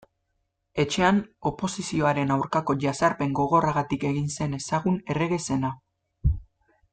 Etxean, oposizioaren aurkako jazarpen gogorragatik egin zen ezagun errege zena.